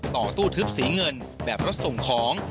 ต่อตู้ทึบสีเงินแบบรถส่งของ